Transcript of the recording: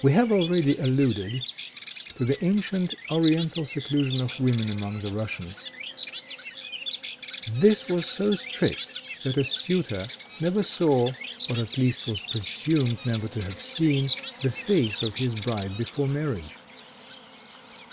We have already alluded to the ancient Oriental seclusion of women among the Russians. This was so strict that a suitor never saw, or at least was presumed never to have seen, the face of his bride before marriage.